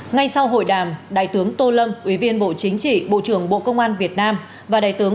ngay sau hội đàm đại tướng tô lâm ủy viên bộ chính trị bộ trưởng bộ công an việt nam và đại tướng